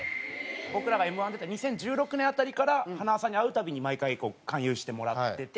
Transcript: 僕らがＭ−１出た２０１６年辺りから塙さんに会うたびに毎回勧誘してもらってて。